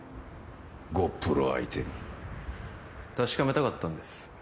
ゴップロ相手に確かめたかったんです